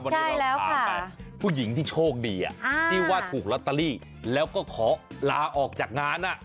กว่าผู้หญิงที่โชคดีว่าถูกลอตเตอรี่แล้วก็ขอลาออกจากงาน